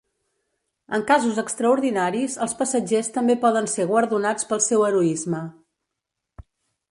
En casos extraordinaris, els passatgers també poden ser guardonats pel seu heroisme.